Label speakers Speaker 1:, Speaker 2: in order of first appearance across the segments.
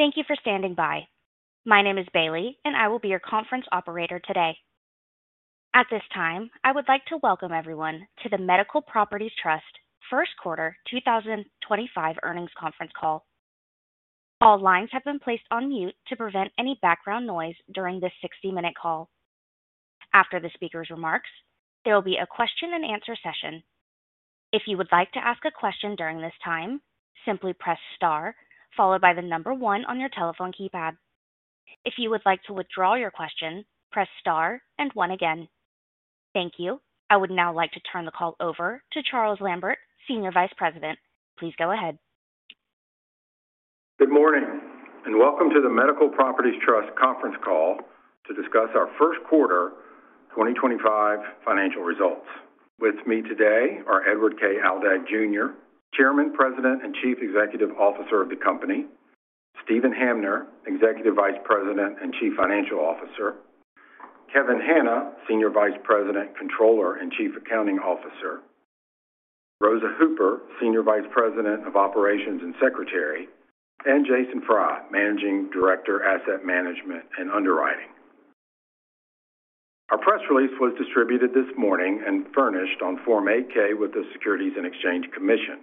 Speaker 1: Thank you for standing by. My name is Bailey, and I will be your conference operator today. At this time, I would like to welcome everyone to the Medical Properties Trust Q1 2025 earnings conference call. All lines have been placed on mute to prevent any background noise during this 60-minute call. After the speaker's remarks, there will be a question-and-answer session. If you would like to ask a question during this time, simply press star followed by the number one on your telephone keypad. If you would like to withdraw your question, press star and one again. Thank you. I would now like to turn the call over to Charles Lambert, Senior Vice President. Please go ahead.
Speaker 2: Good morning and welcome to the Medical Properties Trust conference call to discuss our Q1 2025 financial results. With me today are Edward K. Aldag, Jr., Chairman, President, and Chief Executive Officer of the company; Steven Hamner, Executive Vice President and Chief Financial Officer; Kevin Hanna, Senior Vice President, Controller and Chief Accounting Officer; Rosa Hooper, Senior Vice President of Operations and Secretary; and Jason Frey, Managing Director, Asset Management and Underwriting. Our press release was distributed this morning and furnished on Form 8-K with the Securities and Exchange Commission.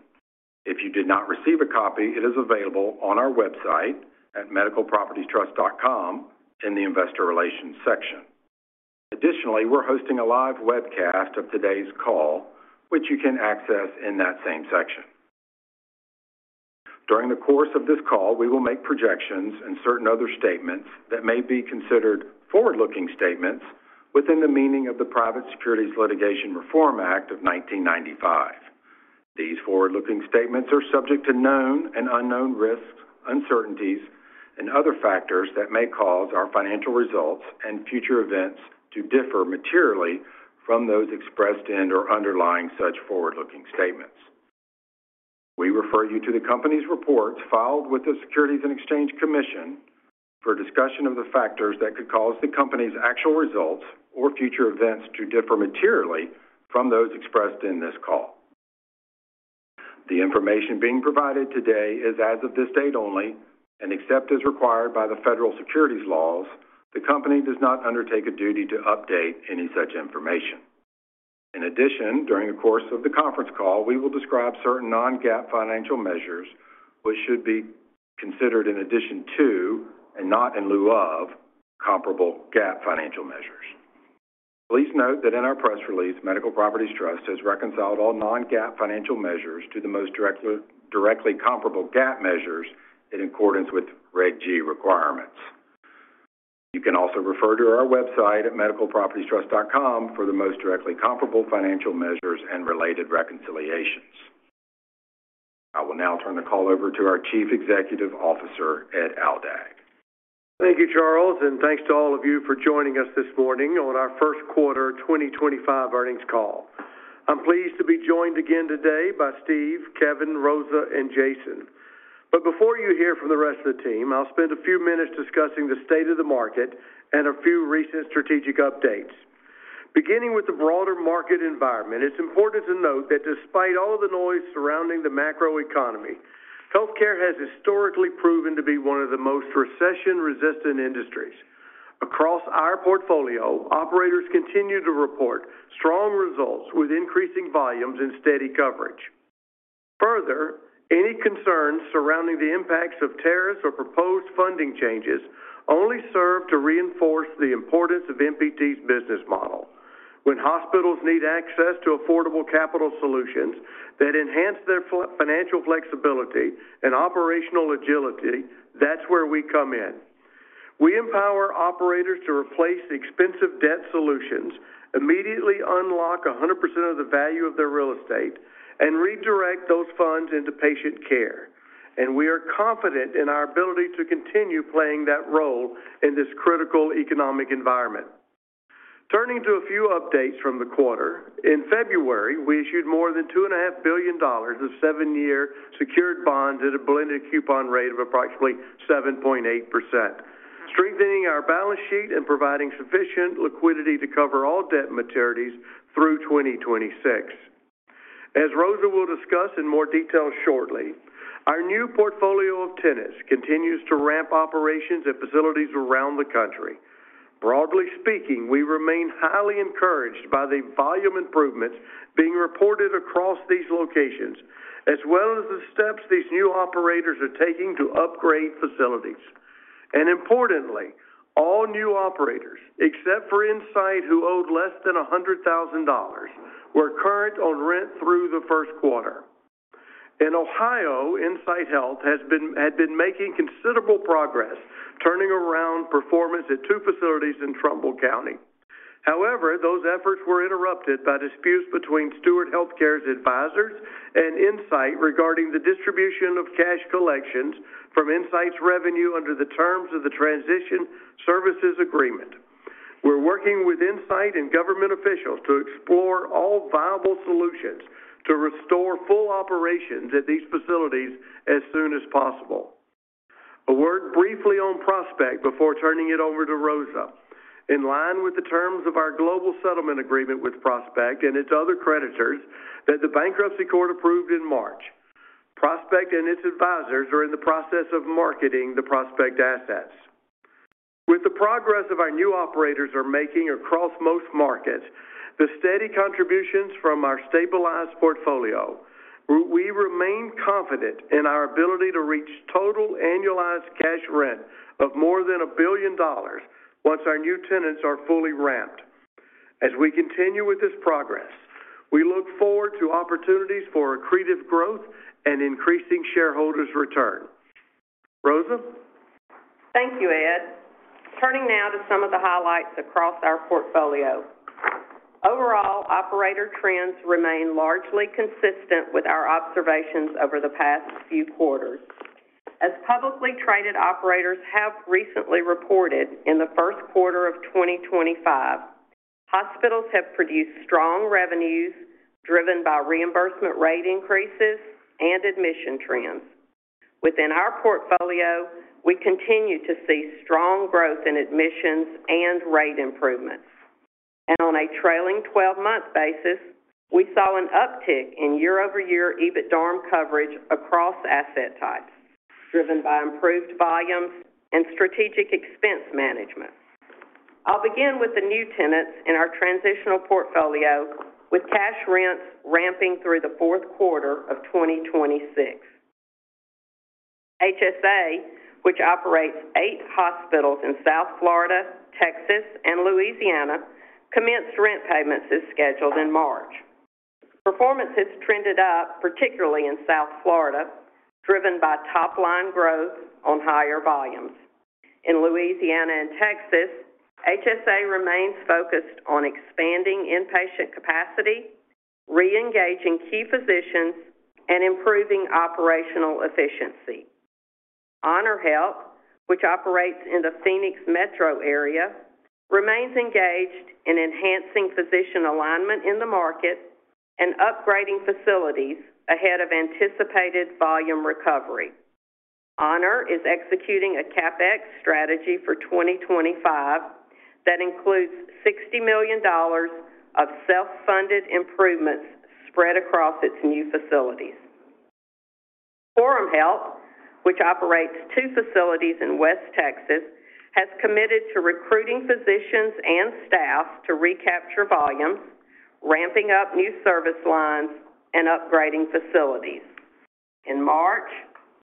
Speaker 2: If you did not receive a copy, it is available on our website at medicalpropertiestrust.com in the Investor Relations section. Additionally, we're hosting a live webcast of today's call, which you can access in that same section. During the course of this call, we will make projections and certain other statements that may be considered forward-looking statements within the meaning of the Private Securities Litigation Reform Act of 1995. These forward-looking statements are subject to known and unknown risks, uncertainties, and other factors that may cause our financial results and future events to differ materially from those expressed in or underlying such forward-looking statements. We refer you to the company's reports filed with the Securities and Exchange Commission for discussion of the factors that could cause the company's actual results or future events to differ materially from those expressed in this call. The information being provided today is as of this date only and, except as required by the federal securities laws, the company does not undertake a duty to update any such information. In addition, during the course of the conference call, we will describe certain non-GAAP financial measures which should be considered in addition to and not in lieu of comparable GAAP financial measures. Please note that in our press release, Medical Properties Trust has reconciled all non-GAAP financial measures to the most directly comparable GAAP measures in accordance with Reg G requirements. You can also refer to our website at medicalpropertiestrust.com for the most directly comparable financial measures and related reconciliations. I will now turn the call over to our Chief Executive Officer, Ed Aldag.
Speaker 3: Thank you, Charles, and thanks to all of you for joining us this morning on our Q1 2025 earnings call. I'm pleased to be joined again today by Steve, Kevin, Rosa, and Jason. Before you hear from the rest of the team, I'll spend a few minutes discussing the state of the market and a few recent strategic updates. Beginning with the broader market environment, it's important to note that despite all the noise surrounding the macroeconomy, healthcare has historically proven to be one of the most recession-resistant industries. Across our portfolio, operators continue to report strong results with increasing volumes and steady coverage. Further, any concerns surrounding the impacts of tariffs or proposed funding changes only serve to reinforce the importance of MPT's business model. When hospitals need access to affordable capital solutions that enhance their financial flexibility and operational agility, that's where we come in. We empower operators to replace expensive debt solutions, immediately unlock 100% of the value of their real estate, and redirect those funds into patient care. We are confident in our ability to continue playing that role in this critical economic environment. Turning to a few updates from the quarter, in February, we issued more than $2.5 billion of seven-year secured bonds at a blended coupon rate of approximately 7.8%, strengthening our balance sheet and providing sufficient liquidity to cover all debt maturities through 2026. As Rosa will discuss in more detail shortly, our new portfolio of tenants continues to ramp operations at facilities around the country. Broadly speaking, we remain highly encouraged by the volume improvements being reported across these locations, as well as the steps these new operators are taking to upgrade facilities. Importantly, all new operators, except for Insight, who owed less than $100,000, were current on rent through the Q1. In Ohio, Insight Health had been making considerable progress turning around performance at two facilities in Trumbull County. However, those efforts were interrupted by disputes between Steward Health Care's advisors and Insight regarding the distribution of cash collections from Insight's revenue under the terms of the transition services agreement. We're working with Insight and government officials to explore all viable solutions to restore full operations at these facilities as soon as possible. A word briefly on Prospect before turning it over to Rosa. In line with the terms of our global settlement agreement with Prospect and its other creditors that the bankruptcy court approved in March, Prospect and its advisors are in the process of marketing the Prospect assets. With the progress our new operators are making across most markets, the steady contributions from our stabilized portfolio, we remain confident in our ability to reach total annualized cash rent of more than $1 billion once our new tenants are fully ramped. As we continue with this progress, we look forward to opportunities for accretive growth and increasing shareholders' return. Rosa?
Speaker 4: Thank you, Ed. Turning now to some of the highlights across our portfolio. Overall, operator trends remain largely consistent with our observations over the past few quarters. As publicly traded operators have recently reported in the Q1 of 2025, hospitals have produced strong revenues driven by reimbursement rate increases and admission trends. Within our portfolio, we continue to see strong growth in admissions and rate improvements. On a trailing 12-month basis, we saw an uptick in year-over-year EBITDARM coverage across asset types, driven by improved volumes and strategic expense management. I'll begin with the new tenants in our transitional portfolio, with cash rents ramping through the Q4 of 2026. HSA, which operates eight hospitals in South Florida, Texas, and Louisiana, commenced rent payments as scheduled in March. Performance has trended up, particularly in South Florida, driven by top-line growth on higher volumes. In Louisiana and Texas, HSA remains focused on expanding inpatient capacity, re-engaging key physicians, and improving operational efficiency. HonorHealth, which operates in the Phoenix metro area, remains engaged in enhancing physician alignment in the market and upgrading facilities ahead of anticipated volume recovery. Honor is executing a CapEx strategy for 2025 that includes $60 million of self-funded improvements spread across its new facilities. Quorum Health, which operates two facilities in West Texas, has committed to recruiting physicians and staff to recapture volumes, ramping up new service lines, and upgrading facilities. In March,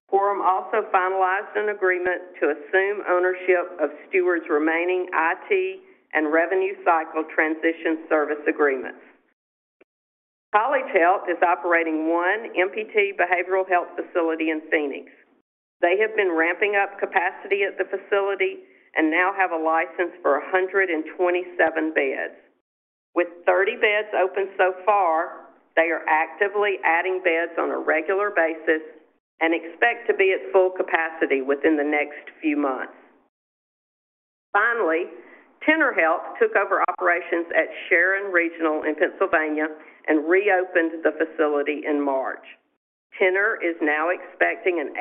Speaker 4: Quorum also finalized an agreement to assume ownership of Steward's remaining IT and revenue-cycle transition service agreements. College Health is operating one MPT behavioral health facility in Phoenix. They have been ramping up capacity at the facility and now have a license for 127 beds. With 30 beds open so far, they are actively adding beds on a regular basis and expect to be at full capacity within the next few months. Finally, Tenor Health took over operations at Sharon Regional in Pennsylvania and reopened the facility in March. Tenor is now executing an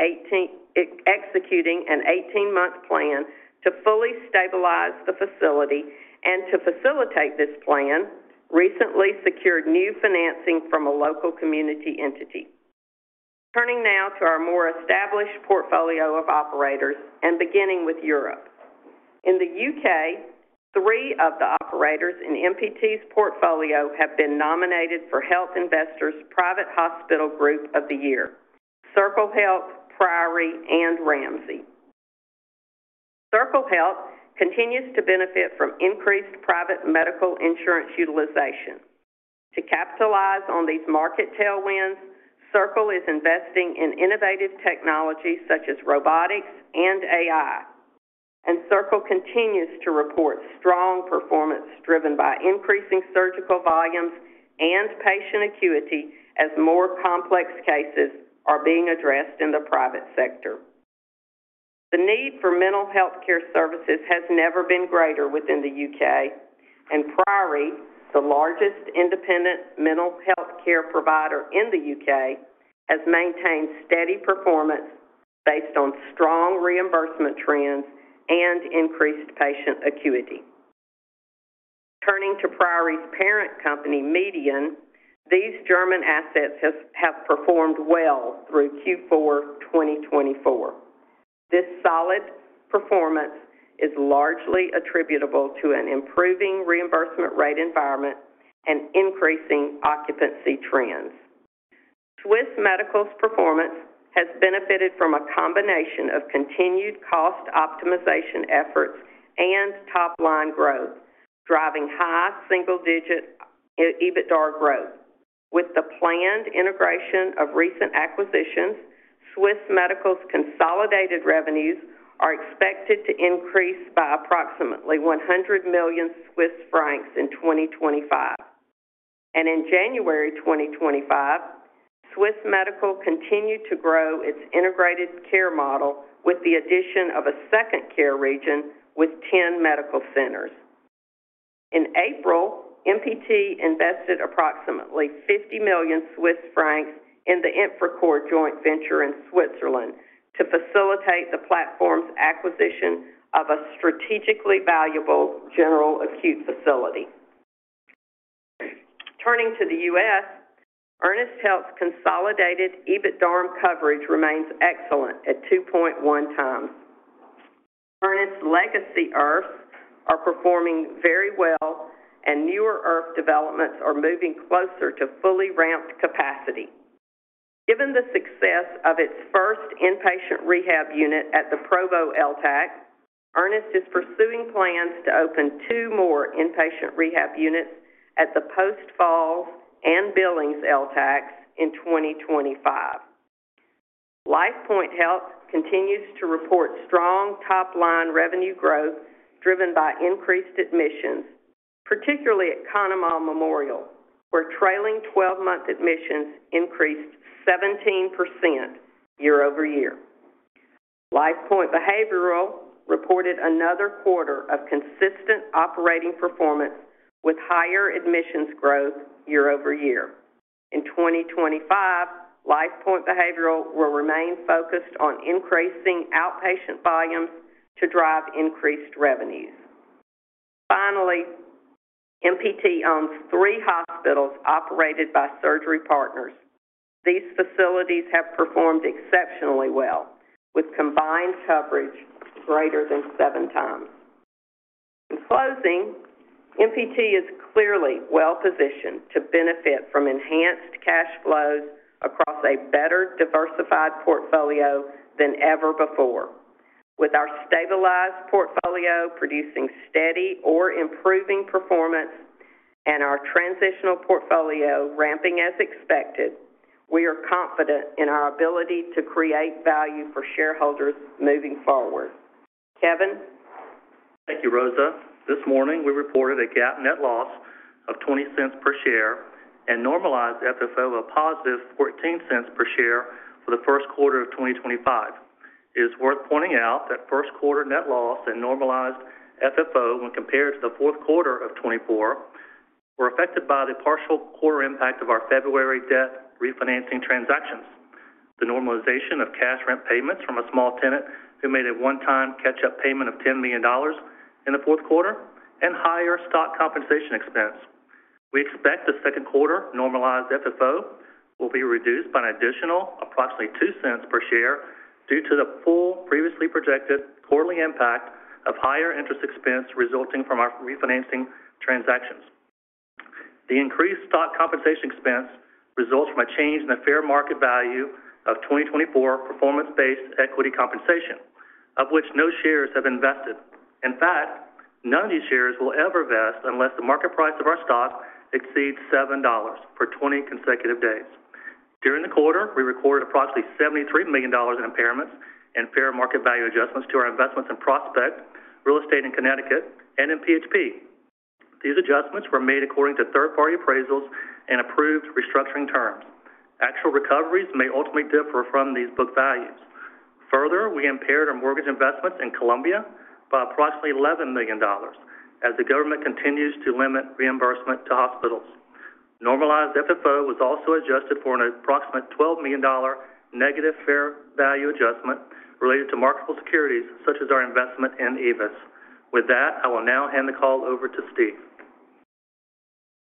Speaker 4: 18-month plan to fully stabilize the facility and, to facilitate this plan, recently secured new financing from a local community entity. Turning now to our more established portfolio of operators and beginning with Europe. In the UK, three of the operators in MPT's portfolio have been nominated for Health Investors' Private Hospital Group of the Year: Circle Health, Priory, and Ramsay. Circle Health continues to benefit from increased private medical insurance utilization. To capitalize on these market tailwinds, Circle is investing in innovative technologies such as robotics and AI. Circle continues to report strong performance driven by increasing surgical volumes and patient acuity as more complex cases are being addressed in the private sector. The need for mental healthcare services has never been greater within the UK, and Priory, the largest independent mental healthcare provider in the UK, has maintained steady performance based on strong reimbursement trends and increased patient acuity. Turning to Priory's parent company, Median, these German assets have performed well through Q4 2024. This solid performance is largely attributable to an improving reimbursement rate environment and increasing occupancy trends. Swiss Medical's performance has benefited from a combination of continued cost optimization efforts and top-line growth, driving high single-digit EBITDA growth. With the planned integration of recent acquisitions, Swiss Medical's consolidated revenues are expected to increase by approximately 100 million Swiss francs in 2025. In January 2025, Swiss Medical continued to grow its integrated care model with the addition of a second care region with 10 medical centers. In April, MPT invested approximately 50 million Swiss francs in the Infracore joint venture in Switzerland to facilitate the platform's acquisition of a strategically valuable general acute facility. Turning to the US, Ernest Health's consolidated EBITDARM coverage remains excellent at 2.1x. Ernest's legacy IRFs are performing very well, and newer IRF developments are moving closer to fully ramped capacity. Given the success of its first inpatient rehab unit at the Provo LTAC, Ernest is pursuing plans to open two more inpatient rehab units at the Post Falls and Billings LTACs in 2025. LifePoint Health continues to report strong top-line revenue growth driven by increased admissions, particularly at Conemaugh Memorial, where trailing 12-month admissions increased 17% year-over-year. LifePoint Behavioral reported another quarter of consistent operating performance with higher admissions growth year-over-year. In 2025, LifePoint Behavioral will remain focused on increasing outpatient volumes to drive increased revenues. Finally, MPT owns three hospitals operated by Surgery Partners. These facilities have performed exceptionally well, with combined coverage greater than 7x. In closing, MPT is clearly well-positioned to benefit from enhanced cash flows across a better diversified portfolio than ever before. With our stabilized portfolio producing steady or improving performance and our transitional portfolio ramping as expected, we are confident in our ability to create value for shareholders moving forward. Kevin?
Speaker 5: Thank you, Rosa. This morning, we reported a GAAP net loss of $0.20 per share and normalized FFO of positive $0.14 per share for the Q1 of 2025. It is worth pointing out that Q1 net loss and normalized FFO when compared to the Q4 of 2024 were affected by the partial quarter impact of our February debt refinancing transactions, the normalization of cash rent payments from a small tenant who made a one-time catch-up payment of $10 million in the Q4, and higher stock compensation expense. We expect the Q2 normalized FFO will be reduced by an additional approximately $0.02 per share due to the full previously projected quarterly impact of higher interest expense resulting from our refinancing transactions. The increased stock compensation expense results from a change in the fair market value of 2024 performance-based equity compensation, of which no shares have been vested. In fact, none of these shares will ever vest unless the market price of our stock exceeds $7 for 20 consecutive days. During the quarter, we recorded approximately $73 million in impairments and fair market value adjustments to our investments in Prospect, real estate in Connecticut, and in PHP. These adjustments were made according to third-party appraisals and approved restructuring terms. Actual recoveries may ultimately differ from these book values. Further, we impaired our mortgage investments in Colombia by approximately $11 million as the government continues to limit reimbursement to hospitals. Normalized FFO was also adjusted for an approximate $12 million negative fair value adjustment related to marketable securities such as our investment in Aevis. With that, I will now hand the call over to Steve.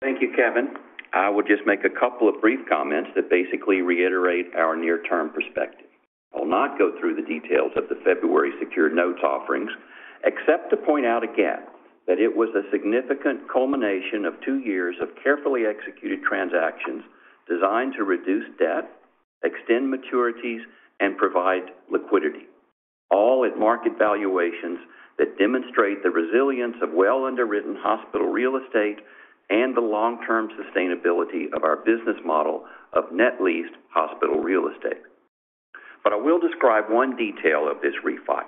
Speaker 6: Thank you, Kevin. I will just make a couple of brief comments that basically reiterate our near-term perspective. I will not go through the details of the February secured notes offerings, except to point out again that it was a significant culmination of two years of carefully executed transactions designed to reduce debt, extend maturities, and provide liquidity, all at market valuations that demonstrate the resilience of well-underwritten hospital real estate and the long-term sustainability of our business model of net-leased hospital real estate. I will describe one detail of this refi.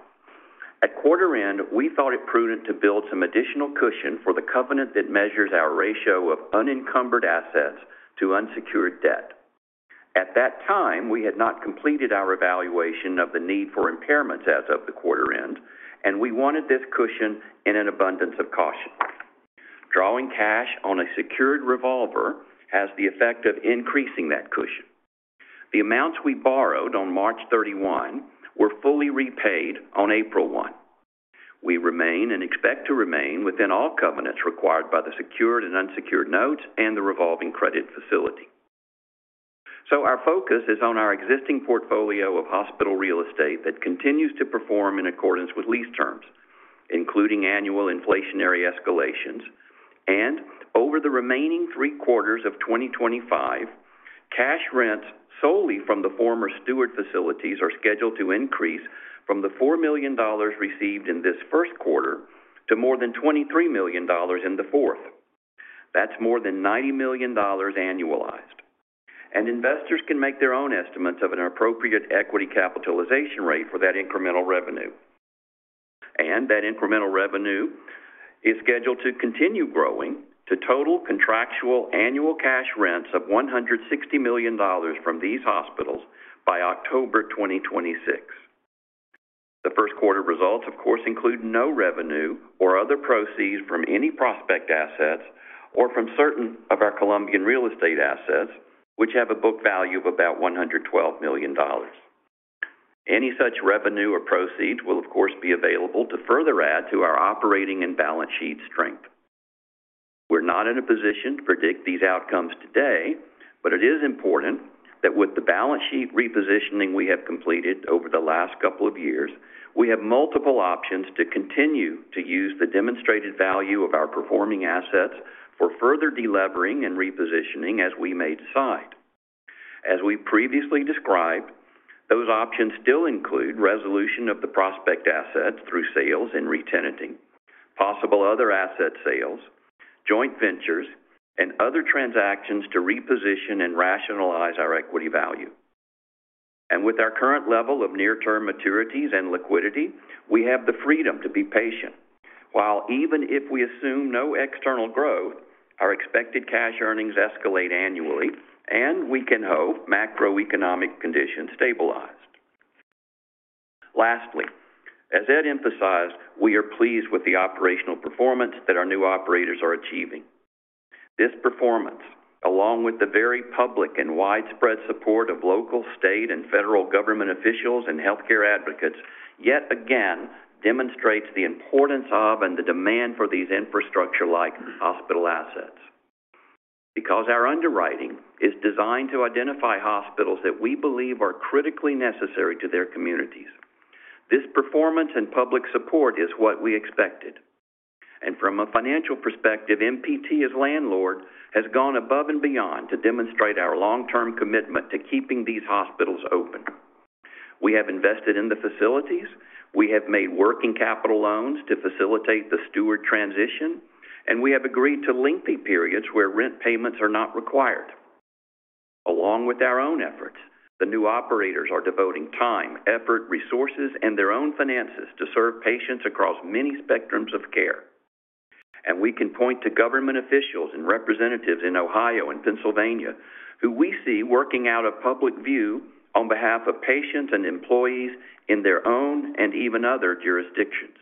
Speaker 6: At quarter end, we thought it prudent to build some additional cushion for the covenant that measures our ratio of unencumbered assets to unsecured debt. At that time, we had not completed our evaluation of the need for impairments as of the quarter end, and we wanted this cushion in an abundance of caution. Drawing cash on a secured revolver has the effect of increasing that cushion. The amounts we borrowed on March 31 were fully repaid on April 1. We remain and expect to remain within all covenants required by the secured and unsecured notes and the revolving credit facility. Our focus is on our existing portfolio of hospital real estate that continues to perform in accordance with lease terms, including annual inflationary escalations. Over the remaining three quarters of 2025, cash rents solely from the former Steward facilities are scheduled to increase from the $4 million received in this Q1 to more than $23 million in the fourth. That's more than $90 million annualized. Investors can make their own estimates of an appropriate equity capitalization rate for that incremental revenue. That incremental revenue is scheduled to continue growing to total contractual annual cash rents of $160 million from these hospitals by October 2026. The Q1 results, of course, include no revenue or other proceeds from any Prospect assets or from certain of our Colombian real estate assets, which have a book value of about $112 million. Any such revenue or proceeds will, of course, be available to further add to our operating and balance sheet strength. We're not in a position to predict these outcomes today, but it is important that with the balance sheet repositioning we have completed over the last couple of years, we have multiple options to continue to use the demonstrated value of our performing assets for further de-levering and repositioning as we may decide. As we previously described, those options still include resolution of the Prospect assets through sales and re-tenanting, possible other asset sales, joint ventures, and other transactions to reposition and rationalize our equity value. With our current level of near-term maturities and liquidity, we have the freedom to be patient. Even if we assume no external growth, our expected cash earnings escalate annually, and we can hope macroeconomic conditions stabilize. Lastly, as Ed emphasized, we are pleased with the operational performance that our new operators are achieving. This performance, along with the very public and widespread support of local, state, and federal government officials and healthcare advocates, yet again demonstrates the importance of and the demand for these infrastructure-like hospital assets. Our underwriting is designed to identify hospitals that we believe are critically necessary to their communities. This performance and public support is what we expected. From a financial perspective, MPT, as landlord, has gone above and beyond to demonstrate our long-term commitment to keeping these hospitals open. We have invested in the facilities. We have made working capital loans to facilitate the Steward transition, and we have agreed to lengthy periods where rent payments are not required. Along with our own efforts, the new operators are devoting time, effort, resources, and their own finances to serve patients across many spectrums of care. We can point to government officials and representatives in Ohio and Pennsylvania who we see working out a public view on behalf of patients and employees in their own and even other jurisdictions.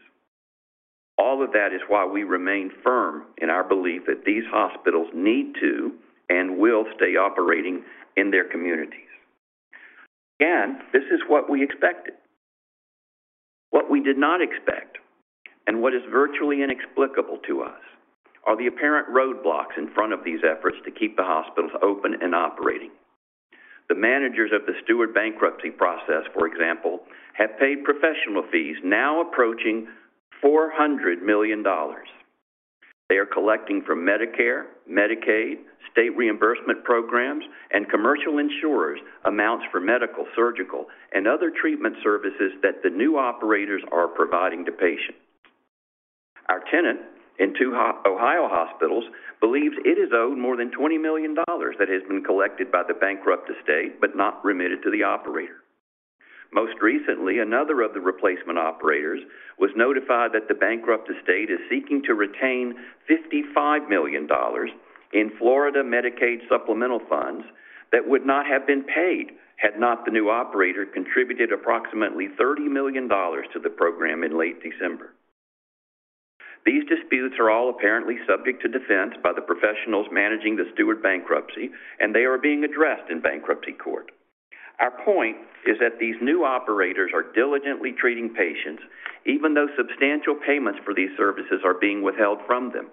Speaker 6: All of that is why we remain firm in our belief that these hospitals need to and will stay operating in their communities. Again, this is what we expected. What we did not expect and what is virtually inexplicable to us are the apparent roadblocks in front of these efforts to keep the hospitals open and operating. The managers of the Steward bankruptcy process, for example, have paid professional fees now approaching $400 million. They are collecting from Medicare, Medicaid, state reimbursement programs, and commercial insurers amounts for medical, surgical, and other treatment services that the new operators are providing to patients. Our tenant in two Ohio hospitals believes it is owed more than $20 million that has been collected by the bankrupt estate but not remitted to the operator. Most recently, another of the replacement operators was notified that the bankrupt estate is seeking to retain $55 million in Florida Medicaid supplemental funds that would not have been paid had not the new operator contributed approximately $30 million to the program in late December. These disputes are all apparently subject to defense by the professionals managing the Steward bankruptcy, and they are being addressed in bankruptcy court. Our point is that these new operators are diligently treating patients, even though substantial payments for these services are being withheld from them.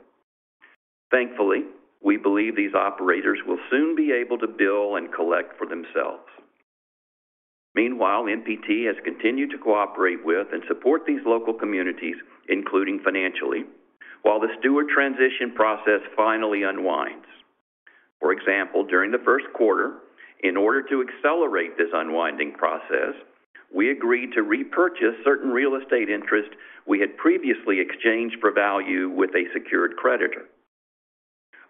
Speaker 6: Thankfully, we believe these operators will soon be able to bill and collect for themselves. Meanwhile, MPT has continued to cooperate with and support these local communities, including financially, while the Steward transition process finally unwinds. For example, during the Q1, in order to accelerate this unwinding process, we agreed to repurchase certain real estate interests we had previously exchanged for value with a secured creditor.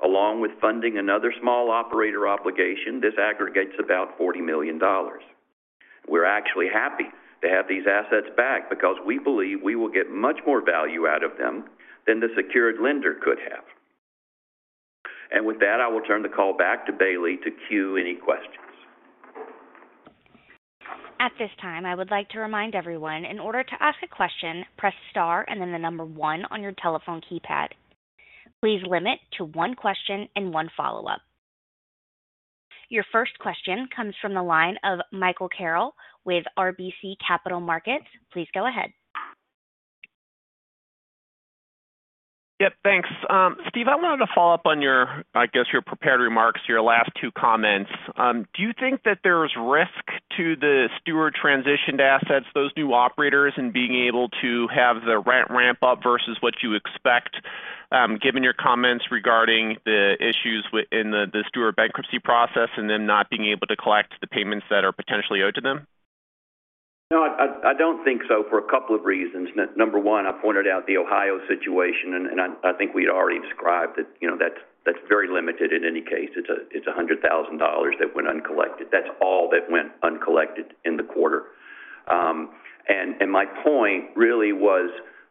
Speaker 6: Along with funding another small operator obligation, this aggregates about $40 million. We're actually happy to have these assets back because we believe we will get much more value out of them than the secured lender could have. With that, I will turn the call back to Bailey to cue any questions.
Speaker 1: At this time, I would like to remind everyone, in order to ask a question, press star and then the number one on your telephone keypad. Please limit to one question and one follow-up. Your first question comes from the line of Michael Carroll with RBC Capital Markets. Please go ahead.
Speaker 7: Yep, thanks. Steve, I wanted to follow up on your, I guess, your prepared remarks, your last two comments. Do you think that there is risk to the Steward transitioned assets, those new operators, in being able to have the rent ramp up versus what you expect, given your comments regarding the issues in the Steward bankruptcy process and them not being able to collect the payments that are potentially owed to them?
Speaker 6: No, I don't think so for a couple of reasons. Number one, I pointed out the Ohio situation, and I think we had already described that that's very limited in any case. It's $100,000 that went uncollected. That's all that went uncollected in the quarter. My point really was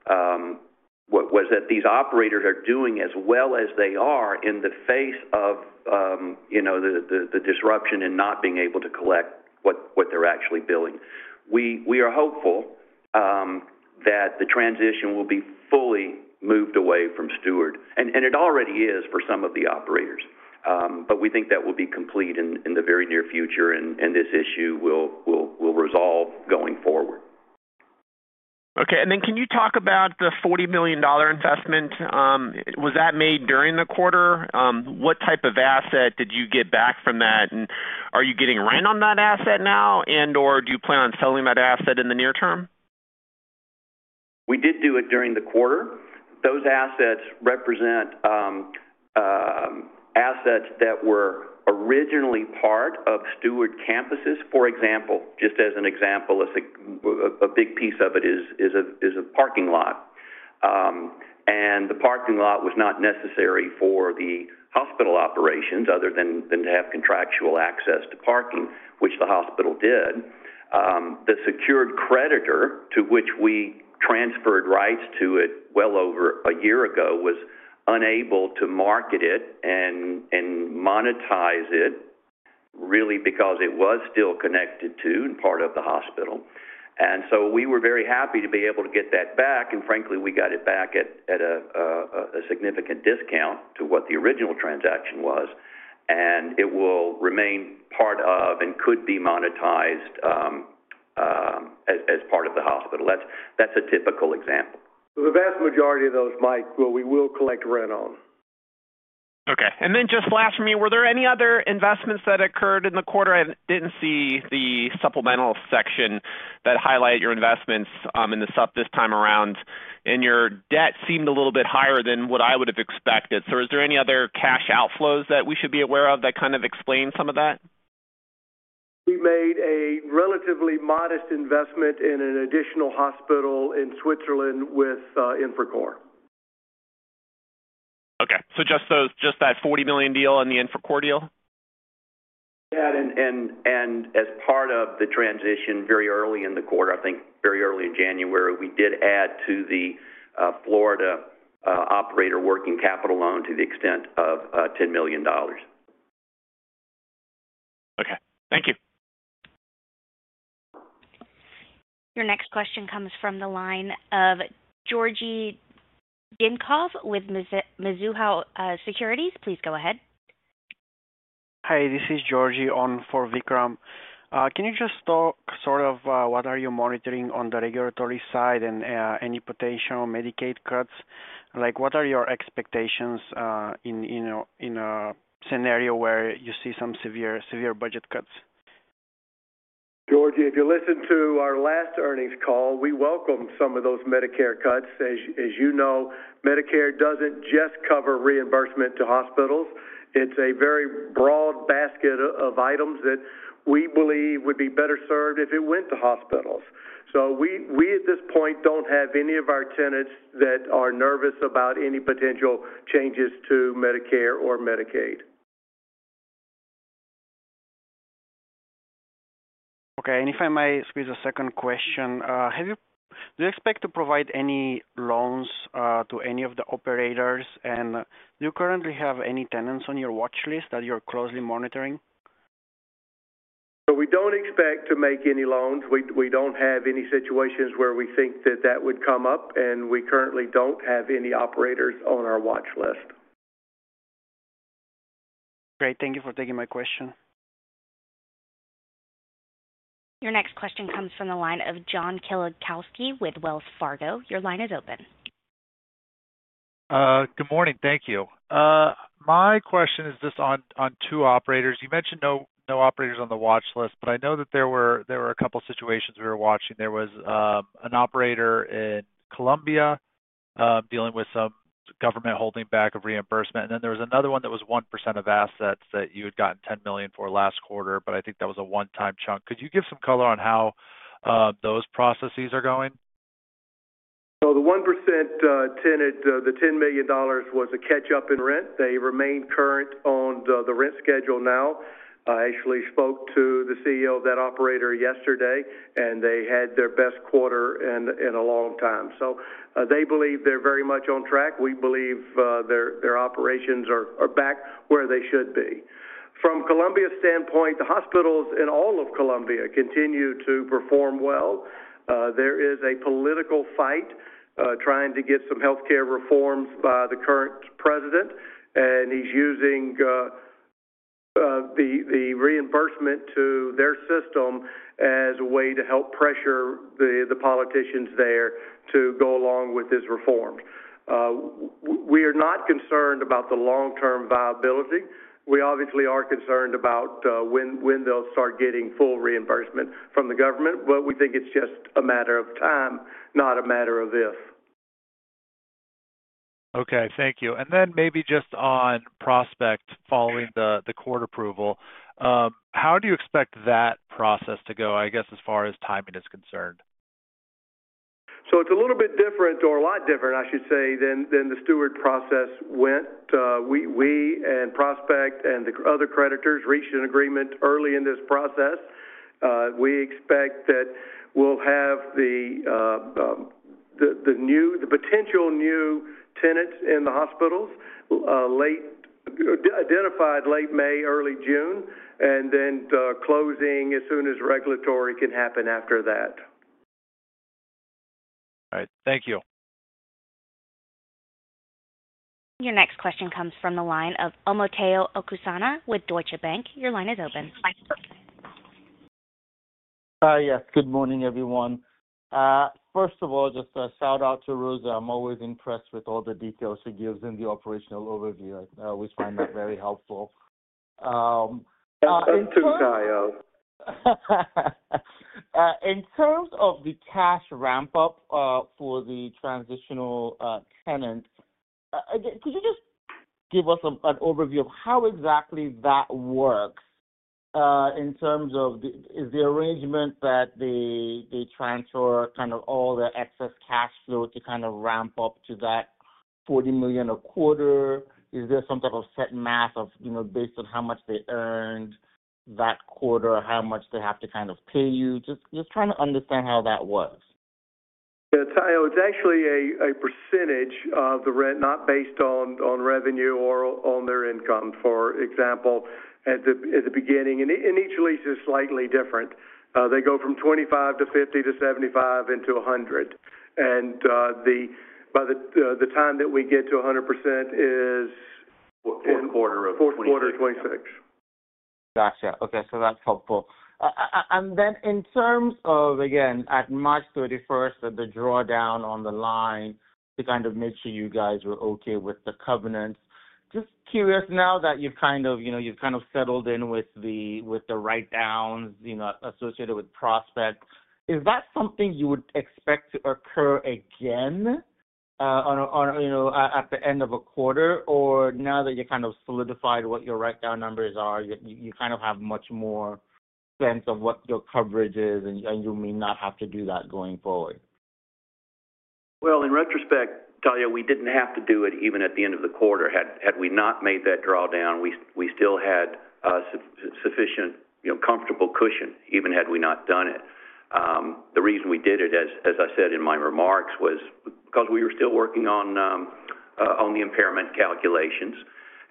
Speaker 6: that these operators are doing as well as they are in the face of the disruption and not being able to collect what they're actually billing. We are hopeful that the transition will be fully moved away from Steward, and it already is for some of the operators. We think that will be complete in the very near future, and this issue will resolve going forward.
Speaker 7: Okay. Can you talk about the $40 million investment? Was that made during the quarter? What type of asset did you get back from that? Are you getting rent on that asset now, and/or do you plan on selling that asset in the near term?
Speaker 6: We did do it during the quarter. Those assets represent assets that were originally part of Steward campuses. For example, just as an example, a big piece of it is a parking lot. The parking lot was not necessary for the hospital operations other than to have contractual access to parking, which the hospital did. The secured creditor to which we transferred rights to well over a year ago was unable to market it and monetize it, really, because it was still connected to and part of the hospital. We were very happy to be able to get that back. Frankly, we got it back at a significant discount to what the original transaction was. It will remain part of and could be monetized as part of the hospital. That is a typical example.
Speaker 3: The vast majority of those, Mike, we will collect rent on.
Speaker 7: Okay. Just last from me, were there any other investments that occurred in the quarter? I did not see the supplemental section that highlighted your investments this time around. Your debt seemed a little bit higher than what I would have expected. Is there any other cash outflows that we should be aware of that kind of explain some of that?
Speaker 3: We made a relatively modest investment in an additional hospital in Switzerland with Infracore.
Speaker 7: Okay. Just that $40 million deal and the Infracore deal?
Speaker 6: Yeah. As part of the transition very early in the quarter, I think very early in January, we did add to the Florida operator working capital loan to the extent of $10 million.
Speaker 7: Okay. Thank you.
Speaker 1: Your next question comes from the line of Georgi Dinkov with Mizuho Securities. Please go ahead.
Speaker 8: Hi, this is Georgi on for Vikram. Can you just talk sort of what are you monitoring on the regulatory side and any potential Medicaid cuts? What are your expectations in a scenario where you see some severe budget cuts?
Speaker 3: Georgi, if you listen to our last earnings call, we welcomed some of those Medicare cuts. As you know, Medicare doesn't just cover reimbursement to hospitals. It's a very broad basket of items that we believe would be better served if it went to hospitals. We, at this point, don't have any of our tenants that are nervous about any potential changes to Medicare or Medicaid.
Speaker 8: Okay. If I may squeeze a second question, do you expect to provide any loans to any of the operators? Do you currently have any tenants on your watch list that you're closely monitoring?
Speaker 3: We don't expect to make any loans. We don't have any situations where we think that that would come up. We currently don't have any operators on our watch list.
Speaker 8: Great. Thank you for taking my question.
Speaker 1: Your next question comes from the line of John Kilichowski with Wells Fargo. Your line is open.
Speaker 9: Good morning. Thank you. My question is just on two operators. You mentioned no operators on the watch list, but I know that there were a couple of situations we were watching. There was an operator in Colombia dealing with some government holding back of reimbursement. And then there was another one that was 1% of assets that you had gotten $10 million for last quarter, but I think that was a one-time chunk. Could you give some color on how those processes are going?
Speaker 3: The 1% tenant, the $10 million was a catch-up in rent. They remain current on the rent schedule now. I actually spoke to the CEO of that operator yesterday, and they had their best quarter in a long time. They believe they're very much on track. We believe their operations are back where they should be. From Colombia's standpoint, the hospitals in all of Colombia continue to perform well. There is a political fight trying to get some healthcare reforms by the current president. He is using the reimbursement to their system as a way to help pressure the politicians there to go along with his reforms. We are not concerned about the long-term viability. We obviously are concerned about when they'll start getting full reimbursement from the government, but we think it's just a matter of time, not a matter of if.
Speaker 9: Okay. Thank you. Maybe just on Prospect following the court approval, how do you expect that process to go, I guess, as far as timing is concerned?
Speaker 3: It is a little bit different or a lot different, I should say, than the Steward process went. We and Prospect and the other creditors reached an agreement early in this process. We expect that we'll have the potential new tenants in the hospitals identified late May, early June, and then closing as soon as regulatory can happen after that.
Speaker 9: All right. Thank you.
Speaker 1: Your next question comes from the line of Omotayo Okusanya with Deutsche Bank. Your line is open.
Speaker 10: Yes. Good morning, everyone. First of all, just a shout-out to Rosa. I'm always impressed with all the details she gives in the operational overview. I always find that very helpful.
Speaker 3: Thank you, Tayo.
Speaker 10: In terms of the cash ramp-up for the transitional tenants, could you just give us an overview of how exactly that works in terms of is the arrangement that they transfer kind of all the excess cash flow to kind of ramp up to that $40 million a quarter? Is there some type of set math based on how much they earned that quarter, how much they have to kind of pay you? Just trying to understand how that works.
Speaker 3: Yeah, Tayo, it's actually a percentage of the rent, not based on revenue or on their income. For example, at the beginning, and each lease is slightly different, they go from 25% to 50% to 75% into 100%. And by the time that we get to 100% is.
Speaker 6: Q4 of 2026.
Speaker 3: Q4 of 2026.
Speaker 10: Gotcha. Okay. That's helpful. In terms of, again, at March 31, the drawdown on the line to kind of make sure you guys were okay with the covenants. Just curious, now that you've kind of settled in with the write-downs associated with Prospect, is that something you would expect to occur again at the end of a quarter? Now that you kind of solidified what your write-down numbers are, you kind of have much more sense of what your coverage is, and you may not have to do that going forward?
Speaker 6: In retrospect, Tayo, we did not have to do it even at the end of the quarter. Had we not made that drawdown, we still had sufficient comfortable cushion, even had we not done it. The reason we did it, as I said in my remarks, was because we were still working on the impairment calculations.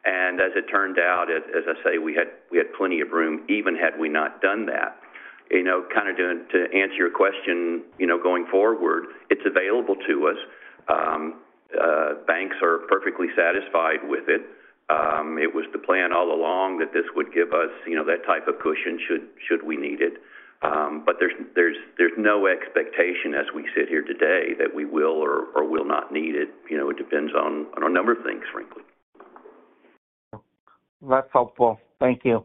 Speaker 6: As it turned out, as I say, we had plenty of room, even had we not done that. Kind of to answer your question going forward, it is available to us. Banks are perfectly satisfied with it. It was the plan all along that this would give us that type of cushion should we need it. There is no expectation as we sit here today that we will or will not need it. It depends on a number of things, frankly.
Speaker 10: That's helpful. Thank you.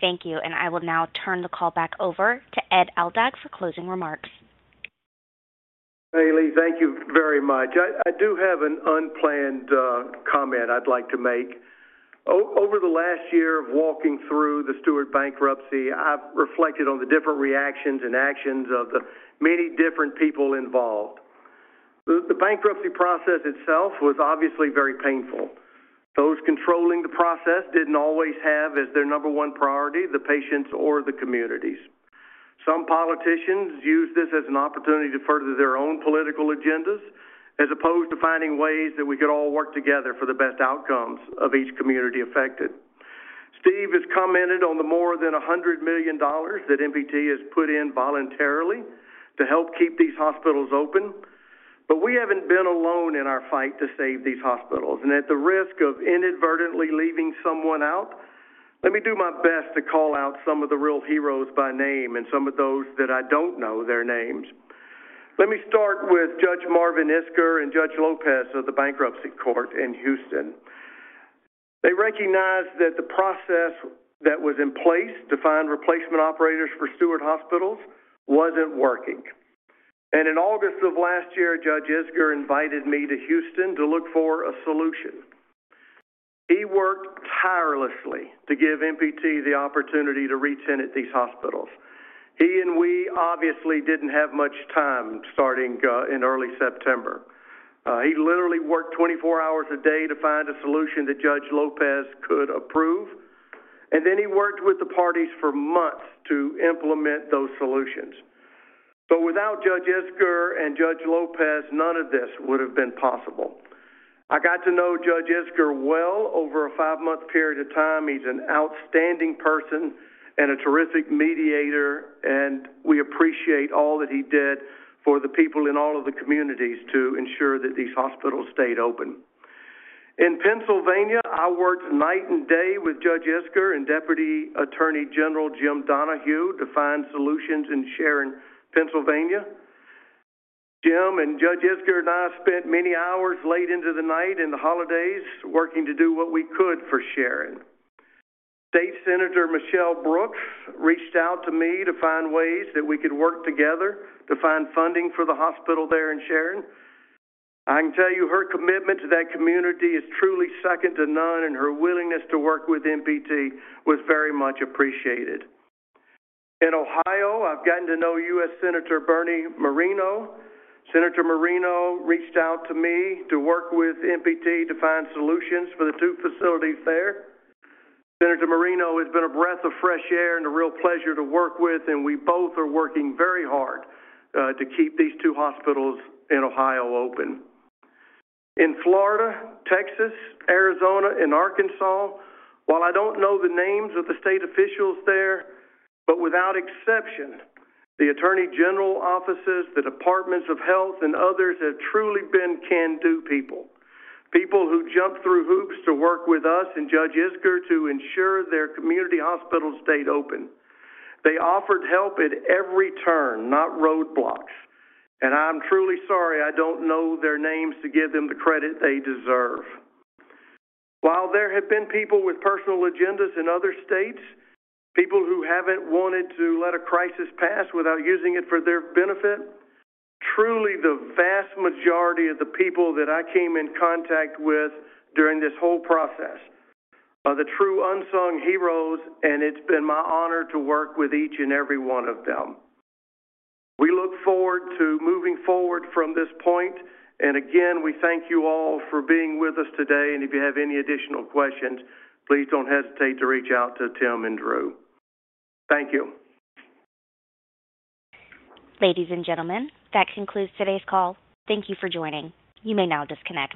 Speaker 1: Thank you. I will now turn the call back over to Ed Aldag for closing remarks.
Speaker 3: Bailey, thank you very much. I do have an unplanned comment I'd like to make. Over the last year of walking through the Steward bankruptcy, I've reflected on the different reactions and actions of the many different people involved. The bankruptcy process itself was obviously very painful. Those controlling the process didn't always have as their number one priority the patients or the communities. Some politicians used this as an opportunity to further their own political agendas as opposed to finding ways that we could all work together for the best outcomes of each community affected. Steve has commented on the more than $100 million that MPT has put in voluntarily to help keep these hospitals open. We haven't been alone in our fight to save these hospitals. At the risk of inadvertently leaving someone out, let me do my best to call out some of the real heroes by name and some of those that I do not know their names. Let me start with Judge Marvin Isgur and Judge López of the bankruptcy court in Houston. They recognized that the process that was in place to find replacement operators for Steward hospitals was not working. In August of last year, Judge Isgur invited me to Houston to look for a solution. He worked tirelessly to give MPT the opportunity to re-tenant these hospitals. He and we obviously did not have much time starting in early September. He literally worked 24 hours a day to find a solution that Judge López could approve. He worked with the parties for months to implement those solutions. Without Judge Isgur and Judge López, none of this would have been possible. I got to know Judge Isgur well over a five-month period of time. He's an outstanding person and a terrific mediator. We appreciate all that he did for the people in all of the communities to ensure that these hospitals stayed open. In Pennsylvania, I worked night and day with Judge Isgur and Deputy Attorney General Jim Donahue to find solutions in Sharon, Pennsylvania. Jim and Judge Isgur and I spent many hours late into the night and the holidays working to do what we could for Sharon. State Senator Michele Brooks reached out to me to find ways that we could work together to find funding for the hospital there in Sharon. I can tell you her commitment to that community is truly second to none, and her willingness to work with MPT was very much appreciated. In Ohio, I've gotten to know US Senator Bernie Moreno. Senator Moreno reached out to me to work with MPT to find solutions for the two facilities there. Senator Moreno has been a breath of fresh air and a real pleasure to work with. We both are working very hard to keep these two hospitals in Ohio open. In Florida, Texas, Arizona, and Arkansas, while I don't know the names of the state officials there, without exception, the Attorney General offices, the Departments of Health, and others have truly been can-do people. People who jumped through hoops to work with us and Judge Isgur to ensure their community hospitals stayed open. They offered help at every turn, not roadblocks. I'm truly sorry I don't know their names to give them the credit they deserve. While there have been people with personal agendas in other states, people who haven't wanted to let a crisis pass without using it for their benefit, truly the vast majority of the people that I came in contact with during this whole process are the true unsung heroes, and it's been my honor to work with each and every one of them. We look forward to moving forward from this point. Again, we thank you all for being with us today. If you have any additional questions, please don't hesitate to reach out to Tim and Drew. Thank you.
Speaker 1: Ladies and gentlemen, that concludes today's call. Thank you for joining. You may now disconnect.